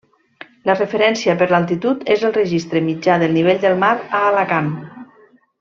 La referència per l'altitud és el registre mitjà del nivell del mar a Alacant.